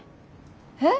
えっ。